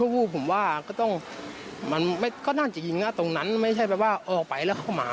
สำหรับศพของในภัยกัน